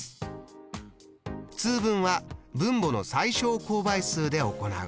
通分は分母の最小公倍数で行う。